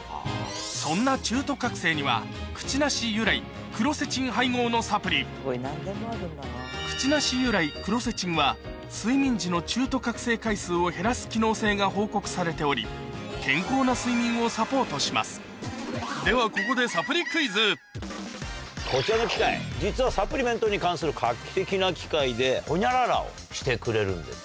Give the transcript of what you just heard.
そんな中途覚醒にはクチナシ由来クロセチンは睡眠時の中途覚醒回数を減らす機能性が報告されており健康な睡眠をサポートしますではここでこちらの機械実はサプリメントに関する画期的な機械でホニャララをしてくれるんですね。